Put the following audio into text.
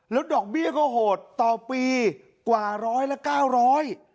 แล้วดอกเบี้ยก็โหดต่อปีกว่าร้อยละเก้าร้อย